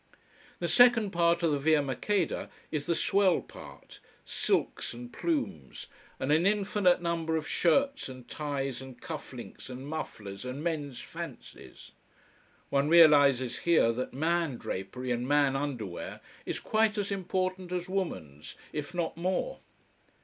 The second part of the Via Maqueda is the swell part: silks and plumes, and an infinite number of shirts and ties and cuff links and mufflers and men's fancies. One realises here that man drapery and man underwear is quite as important as woman's, if not more.